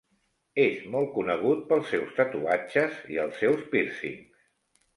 És molt conegut pels seus tatuatges i els seus pírcings.